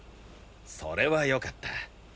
それはよかった。